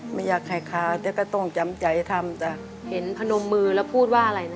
ไม่อยากให้ค้าแต่ก็ต้องจำใจทำจ้ะเห็นพนมมือแล้วพูดว่าอะไรนะ